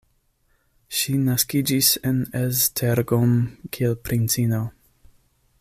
Ŝi naskiĝis en Esztergom, kiel princino.